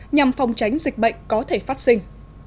nhằm phòng tránh dịch bệnh có thể phát sinh